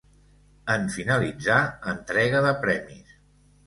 En finalitzar, entrega de premis.